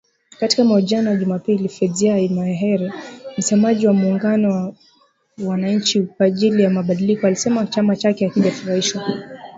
Katika mahojiano ya Jumapili, Fadzayi Mahere, msemaji wa muungano wa wananchi kwa ajili ya mabadiliko, alisema chama chake hakijafurahishwa.